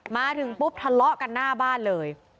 มาถึงปุ๊บทะเลาะกันหน้าบ้านเลย